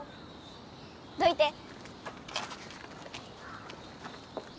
どいて！